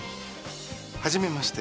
はじめまして。